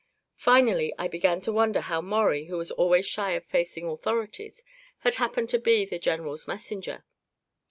Finally I began to wonder how Maurie, who was always shy of facing the authorities, had happened to be the general's messenger.